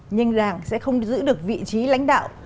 nhưng đảng sẽ không giữ được vị trí lãnh đạo